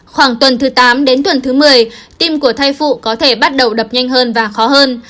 khoảng tuần thứ tám đến tuần thứ một mươi tim của thai phụ có thể bắt đầu đập nhanh hơn và khó hơn